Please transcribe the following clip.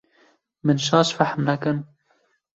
Min şaş fehm nekin